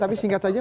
tapi singkat saja